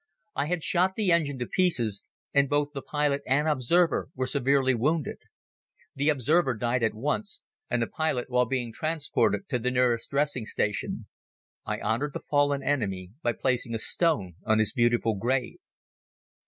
I had shot the engine to pieces and both the pilot and observer were severely wounded. The observer died at once and the pilot while being transported to the nearest dressing station. I honored the fallen enemy by placing a stone on his beautiful grave.